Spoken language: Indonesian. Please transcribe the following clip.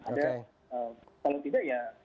ada kalau tidak ya